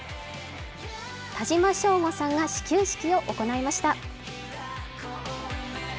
田島将吾さんが始球式を行いました。